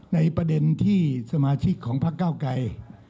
ในประเด็นที่สมาชิกของพักเก้าไกร